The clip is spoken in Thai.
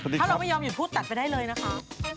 ถ้าเราไม่ยอมหยุดพูดตัดไปได้เลยนะคะ